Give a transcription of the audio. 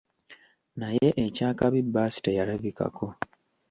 Naye ekyakabi bbaasi teyalabikako.